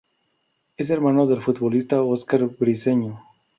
Es hermano del futbolista Óscar Briceño.